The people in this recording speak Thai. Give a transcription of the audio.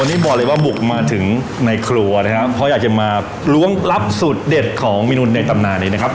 นี่บอกเลยว่าบุกมาถึงในครัวนะครับเพราะอยากจะมาล้วงลับสูตรเด็ดของเมนูในตำนานนี้นะครับ